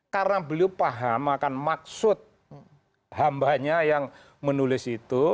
karena beliau paham akan maksud hambanya yang menulis itu